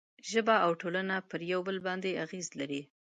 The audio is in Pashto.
ژبه او ټولنه پر یو بل باندې اغېز لري.